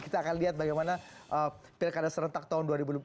kita akan lihat bagaimana pilkada serentak tahun dua ribu dua puluh